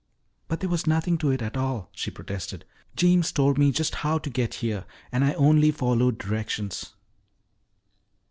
"But there was nothing to it at all," she protested. "Jeems told me just how to get here and I only followed directions."